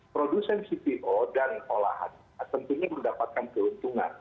produsen cpo dan olahan tentunya mendapatkan keuntungan